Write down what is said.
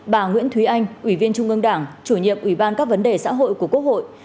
bà nguyễn thúy anh ủy viên trung ương đảng chủ nhiệm ủy ban các vấn đề xã hội của quốc hội